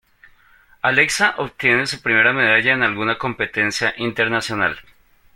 Alexa obtiene su primera medalla en alguna competencia Internacional.